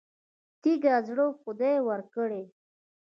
تیږه زړه خدای ورکړی.